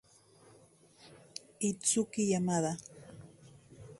Itsuki Yamada